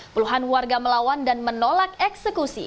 puluhan warga melawan dan menolak eksekusi